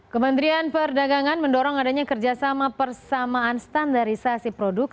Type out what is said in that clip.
kementerian perdagangan mendorong adanya kerjasama persamaan standarisasi produk